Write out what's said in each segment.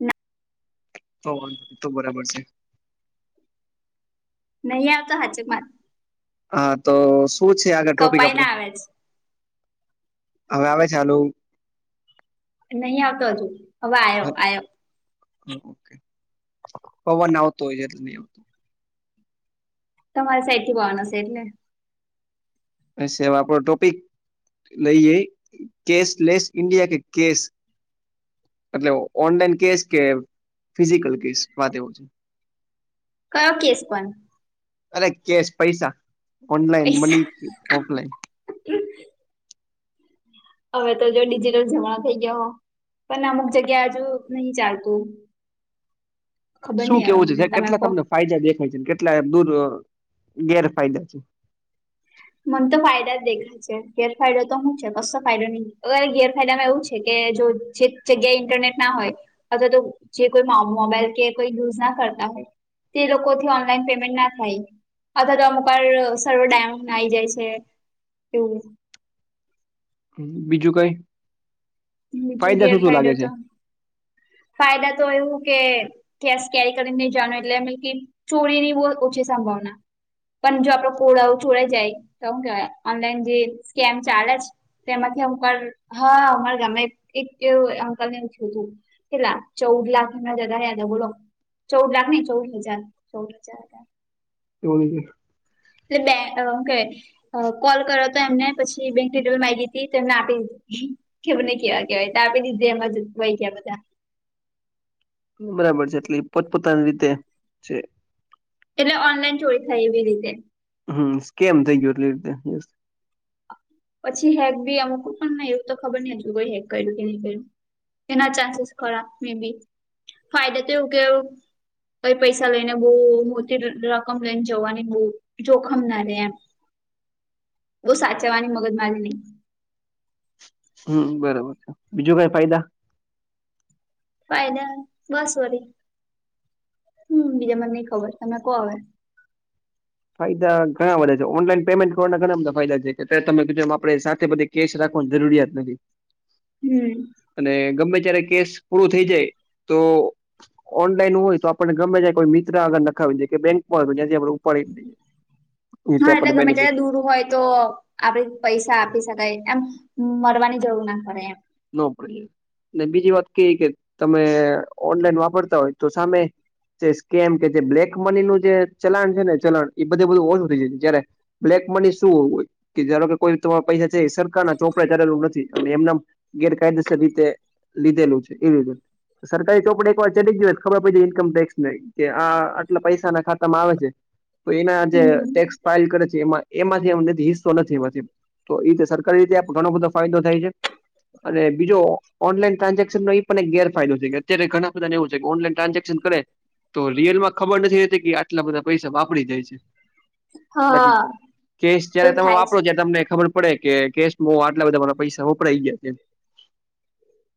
હમ. તો વાંધો તો બરાબર છે. નહીં આવતો, હાજે મારી. હા, તો શું છે? આગળ ટોપિક કપાઈ ના આપણું. આવે છે હવે, આવે ચાલુ? નહીં આવતો હતું, હવે આવ્યો આવ્યો. ઓકે, પવન આવતો હોય છે, એટલે નહી આવતો. તમારે સાઈડ થી પવન હશે એટલે. એ આપડો ટોપિક? નહીં, એ કેશલેસ ઇન્ડિયા કે કેશ? એટલે ઓનલાઈન કેસ કે, ફિઝિકલ કેસ, વાત એવું છે. કયો કેસ પણ? અરે કેશ પૈસા ઓનલાઈન મની કે પૈસા ઓફલાઈન. હવે તો જો ડિજિટલ જમાણા થઈ ગયા હો. પણ અમુક જગ્યા હજુ નહી ચાલતું. ખબર શું નહીં હવે કેવું મને છે તમે કેટલા કહો તમને ફાયદા દેખાય છે કેટલા દૂર ગેરફાયદા છે. મને તો ફાયદા દેખાઈ. ગેરફાયદો તો શું છે કશો ફાયદો નહિ ગેરફાયદા માં એવું છે કે જો જે- - જગ્યાએ ઇન્ટરનેટ ના હોય અથવા તો જે કોઈ મોબાઈલ કે કોઈ યુઝ ના કરતા હોય. તે લોકોથી ઓનલાઈન પેમેન્ટ ના થાય અથવા તો અમુક સર્વ ડાઉન- - આવી જાય છે એવું. બીજું કઈ? બીજું ફાયદા શું શું ગેરફાયદો લાગે છે તો ફાયદા તો એવું કે- - કેરી કરીને નહી જાણ એટલે એ ચોરી ની બહ ઓછી સંભાવના. પણ જો આપડો કોડ છોડા જાય તો હ કેવાય ઓનલાઈન જે સ્કેમ ચાલે છે. તેમાંથી અમુક વાર હા અમા- - એક અંકલને કું હતું કેેલા ચૌદ લાખ એમાં જ બોલો- - ચૌદ લાખ નહી ચૌદ હજાર ચૌદ હજાર. એવું. એટલે બે કે- - કોલ કર્યો તો એમને પછી બેંક ડિટેલ માગી હતી એને આપી- - કે બને કેવા કેવાય આપી દીધે એમાં ભાઈ કેયા બધા. બરાબર છે એટલે પોતપોતાની રીતે છે. એટલે ઓનલાઈન ચોરી થાય એવી રીતે- - સ્કેમ દજર લેટ- - પછી હેક બી અમુક પણ એવું તો ખબર ન હજું કોઈ હેક કર્યું કે નઈ કર્યું. એના ચાન્સેસ ખરા મે બી ફાયદા તો એવું કેવું. કઈ પૈસા લઈ ને બહ મોટી રકમ લઈને જવાની બહુ- - જોખમ ના રે એમ બહ સાચવવાની મગજ મારી નહી. હમ બરોબર છે બીજું કઈ ફાયદા? ફાયદા બસ વરી હમ બીજા મને નઈ ખબર તમે કો હવે? ફાયદા ઘણા બા છે ઓનલાઈન પેમેન્ટ કરવાના ઘણા બધા ફાયદા છે કે તમે બીજો આપ સાથે બધી- - કેસ રાખવા જરૂરિયાત નથી. હમ. અને ગમે ત્યારે કેસ પૂરો થઈ જાય તો- - ઓનલાઈન હોય તો આપણને ગમે જાય કોઈ મિત્ર આગળ નખાવીનેાય કે બેંકમાં હોય જ્યાથી આપણે ઉપાડી- - હા એટલે ગમે ત્યારે દૂર હોય- - તો આપડે પૈસા આપી શકાય એમ મળવાની જરૂર ના પડે એમ. નો કરીએ બીજી વાત કે કે તમે ઓનલાઈન વાપરતા હોય તો સામે- - જે સ્કેમ કે જે બ્લેક મની નું જે ચલણ છે ને ચલણ એ બધું બધું ઓછું થઈ જાય છે જયારે- - બ્લેક મની શું હોય? કે જારો કે કોઈ તમારા પૈસા છે સરકાર ના ચોપડાે ચાલેલું નથી અને એમના- - ગેરકાયદેસર રીતે લીધેલું છે એવી રીતે- - સરકારીોપડી એક વાર ચ જ ગયોય ખબર પડ ઇન્કમ ટેક્સ ન- - કે આ આટલા પૈસા ના ખાતા માં આવે છે તો એના જે હમ ટેક્સ- - ફાઇલ કરે છે એમાં એમાંથી અમ હિસ્સો નથીમાં- - તો એ રીતે સરકારી રીતે ઘણો બધો ફાયદો થાય છે અને બીજો ઓનલાઈન ટ્રાન્ઝેક્શનનોો એ પણ એક ગેરફાયદો છે કે અત્યારે ઘણા બધાને એવું છે કે ઓનલાઈન ટ્રાન્ઝેક્શન કરે. તો રિયલ માં ખબર નથી રહેતી કે આટલા બધા પૈસા બાપરી જાય છે. બાકી હા કેસ જયારે એવું તમે થાય વાપરો છે તમને ખબરડ. વડે કે કેશમાં આટલા બધા મારા પૈસા વપરાઈ ગયા છે.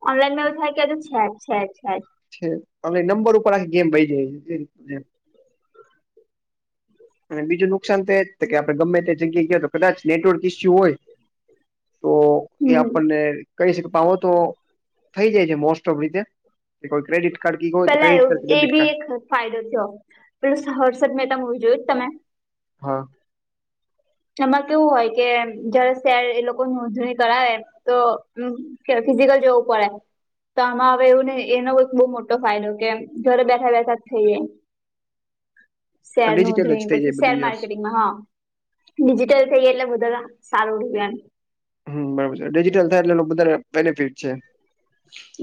અનલાઈનમાં થાય એ છે છે છે. છે અને નંબર ઉપર આખી ગેમ ભઈ જાય છે રીતે [inaudible] અને બીજું નુકસાન તો એ જ કે આપે ગમે તે જગ્યાએ ગયા તો કદાચ નેટવર્ક ઇસ્યુ હોય. તો [inaudible] એ આપણને કહી શકેો તો થઈ જાય છે મોસ્ટ ઓફ રીતે. કે કોઈ ક્રેડિટ કાર્ડ કો હોય તો પેલા ક્રેડિટ એવું કાર્ કે એ ડેબિટ બી કાડ. એક ફાયદો થયો પેલ હર્ષદ મહેતા મવી જોયું તમે. હા. એમાં કેવું હોય કે જયારે શર એ લોકો નોંધણી કરાવે. તો ફિઝિકલ જવું પડે. તો આમાં હવે એવું ને એનો બહુ મોટો ફાયદો કે ઘરે બેઠા બેઠા જ થઈએ. શેર ન ડિજિટલ જ ઉધણી થઈ જાય પછી શેર બધું યસ માર્કેટિંગમાં હા. ડિજિટલ થઈ એટલે બધા સારું અભિયાન. હમ બરોબર છે ડિજિટલ થાય એટલે એ બધ બેનિફિટ છે.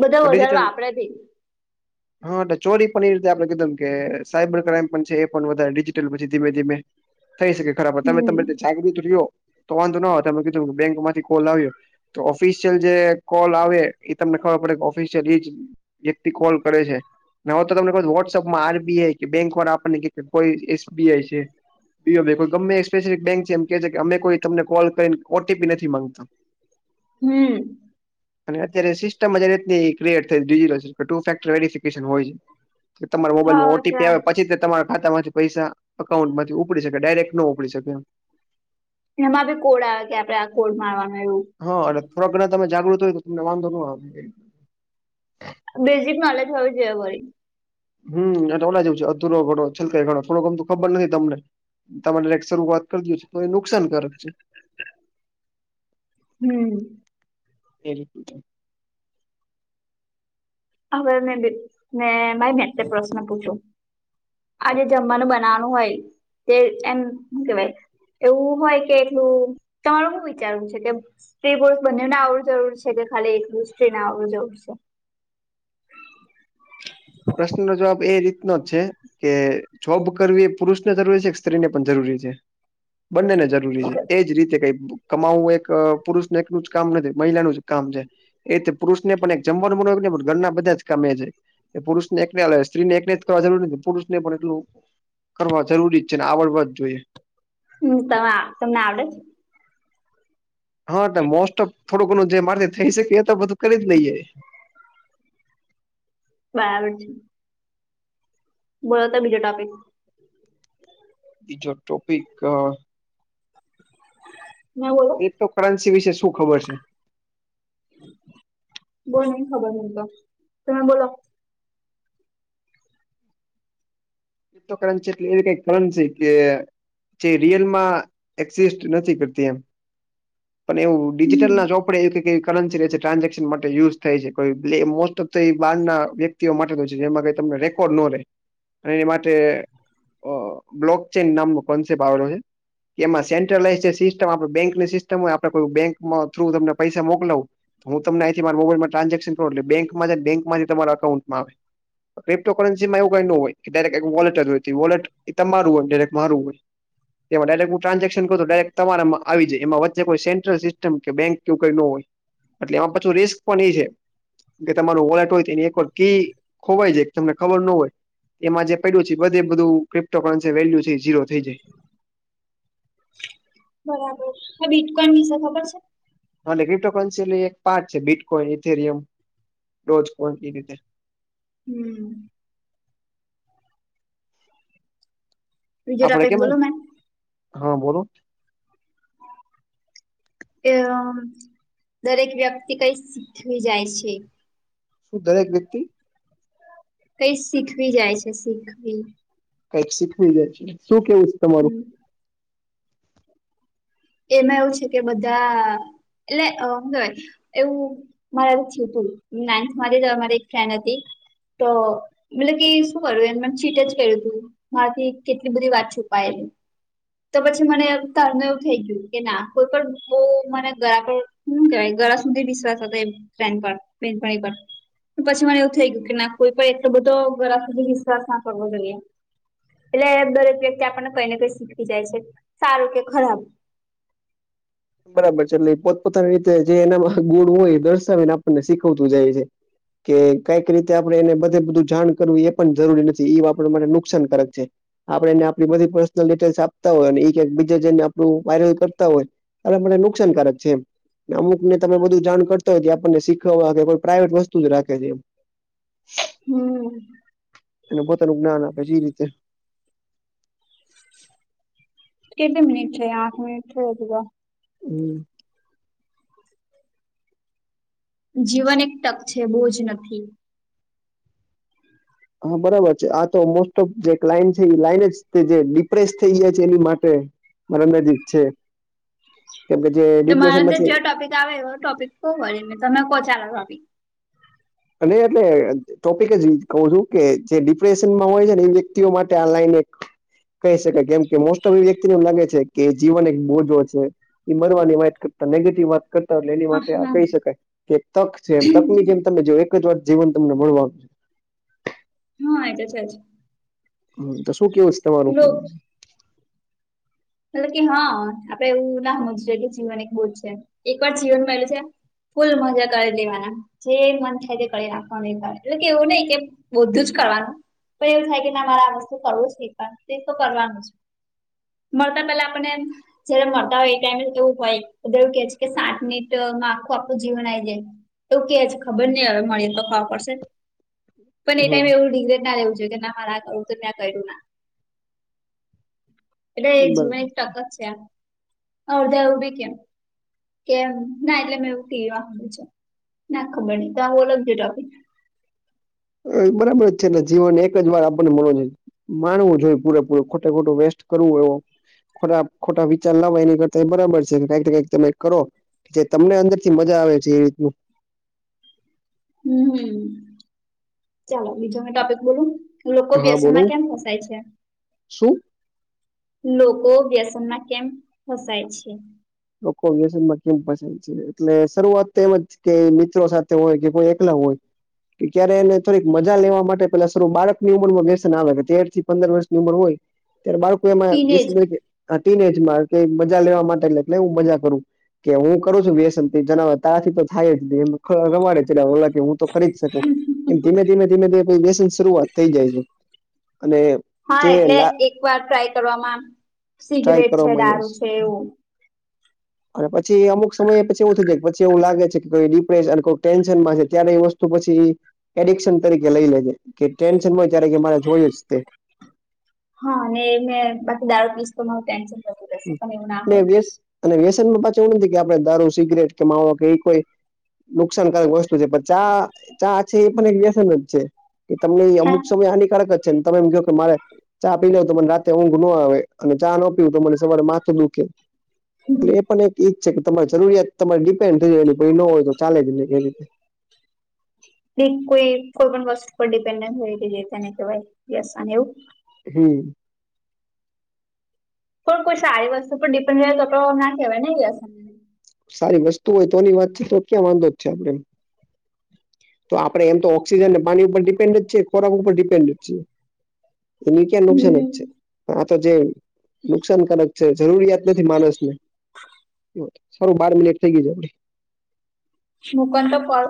બધા પણ વધારે ડિજિટલ આપરેથી. હા એલે ચોરી પણ એ રીતે આપડણે કીધુંમ કે સાયબર ક્રાઈમ પણ છે એ પણ વધારે ડિજિટલ પછી ધીમે ધીમે. થઈ શકે ખરાબ તમે તમે હમ જાગૃત રહ્યો તો વાંધો ના હોય તમે કીધું કે બેંકમાં કોલ આવ્યો તો ઓફિશિયલ જે કોલ આવે એ તમને ખબર પડે કે ઓફિસિયલ એ વ્યક્તિ કોલ કરે છે. હવે તો તમને વોટ્સઅપમાં આરબીઆઈ કે બેંક વાળા આપણને કોઈ એસબીઆઈ છે. યો ભાઈ કો ગમે સ્પેસિફિક બેંક છે એમ કે છે કે અમે કોઈ તમને કોલ કરીને ઓટીપી નથી માંગતા તો [inaudible] હમ. અને અત્યારે સિસ્ટમ રની ક્રિએટ થઈટ ટુ ફેક્ટર વેરફિકન હોય છે. તમારા હા મોબાઈલમાં ઓટીપી અચ્છા આવે પછી તે તમારે ખાતા માંથી પૈસા અકાઉન્ટ માંથી ઉપડી શકે ડાયરેક્ટ ન ઉપડી શકે એ. એમાં ભી કોડ આવે કે આપડે આ કોડ મારવાનું એવું. હા એટલે થોડાક ઘણા તમે જાગૃત હોય તો તમને વાંધો ન આવે. બેઝિક નોલેજ હોવી જોઈએ વળ હમ એટ ઓલા જવ છે અધુરો ઘો છેલ્લો થોડો ગમ તો ખબર નથી તમને તમારે શરૂ વાત કરી દ છે તો એ નુકસાનકારક કરે છે. હમ. એ મ હવે મે મે મા મેં પ્રશ્ન પૂછ્યો હા આજે જમવાનું બ નાનું આય તે એમ કેવાય. એવું હોય કે એટલું તમારું શું વિચારવું છે કે સ્ત્રી બોર્સ બંનેને આવું જરૂર છે કે ખાલી એક દ સ્ત્રીને આવું જરૂર છે. [inaudible] પ્રશ્નનો જવાબ એ રીતનો જ છે. કે જોબ કરવી એ પુરુષ ને જરૂરી છે કે સ્ત્રીને પણ જરૂરી છે. બંને ને જરૂરી છે એજ રીતે કઈ. કમાવવું એક પુરુષ ને એકનું જ કામ નથી મહિલાનું જ કામ છે. એ તો પુરુષ ને પણ એક જમવાનું મળ ન પણ ઘરના બધા જ ગમે છે. એ પુરુષને એક સ્ત્રી ને એક જ કરવા જરૂર નથી પુરુષને પણ એટલ કરવા. જરૂરી જ છે ને આવડવા જ જોઈએ. હું તવા તમને આવડે છે? હા ટે મોસ્ટ ઓફ થોડું ઘણું જે મારેથી થઈ શકે એ તો બધું કરી જ લઈએ. બરાબર છે. બોલોતો બીજો ટોપિક. બીજો ટોપિક અ નવોત ક્રિપ્ટો કરન્સી વિશે શું ખબર છે? બહુ નહી ખબર મને તો તમે બોલો ટો કરન્સી એટલે એવી કઈ કરન્સી કે જે રિયલમાં એક્ઝિસ્ટ નથી કરતી એમ [unintelligible] પણ એવું ડિજિટલ હમ ના ચોપડે એવું કેવી કરન્સી રે છે ટ્રાન્ઝેક્શન માટે યુઝ થાય છે કોય મોસ્ટ તો ત એ બારના વ્યક્તિઓ માટે હોય છે જેમાં કઇ તમને રેકોર્ડ નો રે અને એની માટે ટે અ બ્લોક ચેન નામનો કોન્સેપ્ટ આવેલો છે. એમાં સેન્ટ્રલાઈઝ જે સિસ્ટમ આપડે બેંકની સિસ્ટમ હોય આપણે કોઈ બેંક માં થ્રુ તમને પૈસા મોકલાવું હું તમને અંઇથી મારી મોબાઈલમાં ટ્રાન્ઝેશન કરું એટલે બેંકમાં જાય બેંકમાંથી તમારા અકાઉન્ટમાં આવે ક્રિપ્ટો કરન્સીમાં એવું કાઈ નો હોય એ ડાયરેક્ટ એક વોલેટરી હોય તે વોલેટ તમારું હોય ડીરેક મારું હોય તેમાં ડાયરેક્ટ હું ટ્રાન્ઝેક્શન કરું તો ડાયરેક તમારામાં આવી જાય એમાં વચ્ચે કોઈ સેન્ટલ સિસ્ટમ કે બેંક કવું ન હોય એટલે એમાં પછું રિસ્ક પણ એ છે કે તમારું વોલેટ હોય તો એની એકવાર કી ખોવાય જાય તમને ખબર નો હોય એમાં જે પયડું છે બધે બધું ક્રિપ્ટો કરન્સી વેલ્યુ છે એ ઝીરો થઈ જાય બરાબર આ બીટકોન વિશે ખબર છે. હાલે ક્રિપ્ટો કરનસી એટલે એક પાર્ટ છે બીટકોઈન ઇથેરિયમ ડોજકોન એ રીતે [unintelligible] બીજો આપડે ટોપિક કેમ બોલો મેમ હા બોલો કે અ દરેક વ્યક્તિ કઈ શીખવી જાય છે. શું દરેક વ્યક્તિ કઈ શીખવી જાય છે શીખવી કઈક શીખવી જાય છે શું કેવું છે તમારું હમ એમાં એવું છે કે બધા એટલે અમ હું કેવાય એવું મારે એવું જ થીયું તું નાઇનથ મારી જ મારી એક ફ્રેડ હતી તો મતલબ કે શું કર્યું એમ મને ચીટ જ કેરયું તું મારાથી કેટલી બધી વાત છુપાયેલી તો પછી મને તાર માં એવું થઈ ગયું કે ના કોઈ પણ બો મને ગળ પર હું કેવાય ગળા સુધી વિશ્વાસ હતો એ પેન કાર્ડ પેન કાર્ડ એકાર પછી મને એવું થઈ ગયું કે ના કોઈ પર એટલો બધો ઘલા સુધી વિશ્વાસ ના કરવો જોઈએ. એટલે દરેક વ્યક્તિ આપણને કઈ ને કઈ શીખવી જાય છે સારું કે ખરાબ બરાબર છે એટલે પોતપોતાની રીતે જે એનામાં ગુણ હોય એ દર્શાવીને આપણને શીખવતું જાય છે. કે કઈક રીતે આપડે એને બધે બધું જાણ કરવું એ પણ જરૂરી નથી ઈ આપ માટે નુકસાનકારક છે. આપડે એને આપડી બધી પર્સનલ ડિટેલ્સ આપતા હોય અને ઇ કાક બીજે જને આપણું વાયરલ કરતા હોય અલે પન એ નુકસાનકારક છે એમ ને અમુક ને તમે બધું જાણ કરતા હોય તે આપણને શીખવવા કે કોઈ પ્રાઈવેટ વસ્તુ જ રાખે છે હું અને પોતાનું જ્ઞાન આપે જે રીતે કેટલી મિનિટ થઈ આઠ મિનિટ થઇ હજુ તો હું જીવન એક ટક છે બોજ નથી હા બરાબર છે આ તો મોસ્ટ ઓફ જે ક્લાઇન છે એ લાઈન જે ડિપ્રેસ થઈ જાય છે એની માટે [inaudible] છે. કેમ કે જે તો મારા ડિપ્રેશન અંદર માંથી જે ટોપિક આવે એ ટોપિક કો વળી ને તમે કો ચાલો ટોપિક. અને એટલે ટોપિક જ કહું છું કે જે ડિપ્રેશનમાં હોય છે ને એ વ્યક્તિઓ માટે આ લાઈન એક કહી શકાય કેમ કે મોસ્ટઓફલી એ વ્યક્તિને એમ લાગે છે કે જીવન એક બોજો છે. એ મરવાની વાત કરતા નેગટિવ વાત કરતા હોય એટલે એની હા માટે આ હા કહી શકાય કે તક છે એમ તકની જેમ તમે જો એક જ વાર જીવન તમને મળવાનું છે. હા એતો છે જ. હમ તો શું કેવું સે તમારું? પેલું મતલબ કે હા આપડે એવું ના સમજવુ જોઈએ કે જીવન એક બોજ છે. એક વાર જીવન મયલું છે. ફૂલ મજા કરી લેવાના. જે મન થાય તે કરી નાખવાનું એટલે કે એવું નહી કે બધું જ કરવાનું. પણ એવુ થાય કે ના મારે આ વસ્તુ કરવું છે એકવાર. તે તો કરવાનું જ. મળતા પેલા આપણને એમ જયારે મળતા હોય એ ટાઈમે એવું હોય એવું કે છે કે સાત મિનિટમાં આખું આખું જીવન આઈ જાય. એવું કે છે ખબર નહિ હવે મળીએ તો ખબર પડશે. પણ એ હા ટાઈમે એવું રિગ્રેટના લેવું જોઈએ કે ના મારે કરવુ તું ને મેં આ કર્યું ના. એટલે એ જીવન બરાબર એક ટક જ છે આમ. અડધા એવું બી કે કેમ ના એટલે મેં એવું ટીવી હાભર્યું છે. ના ખબર નહીં તો હા બોલો બીજો ટોપિક. હમ બરાબર જ છેને જીવન એક જ વાર આપણને મળે છે. માણવું જોઈએ પૂરેપૂરે ખોટે ખોટો વેસ્ટ કરવું એવો ખોટા ખોટા વિચાર લાવવા એની કરતા એ બરાબર છે કઈક ને કંઈક તમે કરો. જે તમને અંદરથી મજા આવે છે એ રીતનું. હમ ચલો બીજો મેં ટોપિક બોલું? લોકો હા બોલો વ્યસનમાં કેમ ફસાય છે? શું લોકો વ્યસનમાં કેમ ફસાય છે? લોકો વ્યસનમાં કેમ ફસાઈ છે. એટલે શરૂઆત તો એમ જ કે મિત્રો સાથે હોય કે, કોઈ એકલા હોય. કે ક્યારે એને થોડીક મજા લેવા માટે પેલા બાળકની ઉંમરમાં વ્યસન આવે કે તેરથી પંદર વર્ષની ઉંમર હોય. ત્યારે બાળકો એમાં ટીનેજ વિસમે કે કા ટીન એજમાં કે મજા લેવા માટે એટલે હું મજા કરું. કે હું કરું છું વ્યસન તે જનાવે તારાથી તો થાય જ ની એમ રમાડે છે રયા ઓલા. કે હું તો કરી જ શકું. એમ ધીમે ધીમે ધીમે ધી ફૂલ વ્યસન શરૂઆત થઈ જાય છે. અને હા જે એટલે એકવાર ટ્રાય કરવામાં ટ્રાય સિગરેટ છે, કરવામાં યશ દારૂ છે એવું. અને પછી એ અમુક સમય પછી એવું થઈ જાય કે પછી એવું લાગે છે કે કોઈ ડિપ્રેશ અને કોઈ ટેન્શનમાં છે ત્યારે એ વસ્તુ પછી એડિકશન તરીકે લઈ લે છે કે ટેન્શન હોય ત્યારે કે મારે જોય જ તે. હા ને મેં બાકી દારુ પીસ તો મારું ટેન્શન જતું રહેશે પણ એવું ના ને હોય વ્યસ અને વ્યસનમાં પાછા એવું નથી કે આપડે દારૂ, સિગરેટ કે માવો કે એ કોઈ નુકસાનકારક વસ્તુ છે. પણ ચા ચા છે એ પણ એક વ્યસન જ છે. કે તમને એ હા અમુક સમય હાનિકારક જ જેમ તમે એમ કયો કે મારે ચા પી લઉ તો મને રાતે ઊંઘ ન આવે. અને ચા ન પીવું તો મને તો મને માથું દુખે. એટલે એ પણ એક એક છે કે તમારે જરૂરિયાત તમારે ડિપેન્ડ થઈ જાયને કોઈ ન હોય તો ચાલે જ નઈ એ રીતે. એટલે કોઈ કોઈ પણ વસ્તુ પર ડિપેન્ડ નથી હોય કે તેને કેહેવાય વ્યસન એવું. હમ. પણ કોઈ સારી વસ્તુ પર ડિપેન્ડ રે તો તો ના કહેવાયને વ્યસન. સારી વસ્તુ હોય તોની વાત છે તો ક્યાં વાંધો જ છે આપડે. તો આપડે એમ તો ઓક્સિજન ને પાણી ઉપર ડિપેન્ડ જ છે, ખોરાક ઉપર ડિપેન્ડ જ છીએ. એની ક્યાં નુંકસાન જ હમ છે. પણ આ તો જે નુકસાનકારક છે. જરૂરિયાત નથી માણસ ને. હહ સારું બાર મિનિટ થઈ ગી છે આપડી. મૂકો ને તો કોલ.